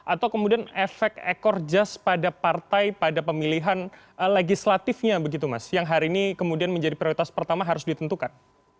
atau kemudian efek ekor jahat pada partai pada pemilihan legislatifnya yang hari ini menjadi prioritas pertama harus ditentukan